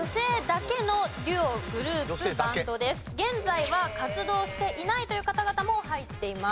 現在は活動していないという方々も入っています。